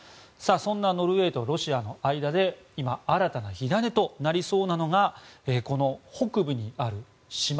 そんなノルウェーとロシアの間で今、新たな火種となりそうなのがこの北部にある島